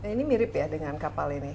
ini mirip ya dengan kapal ini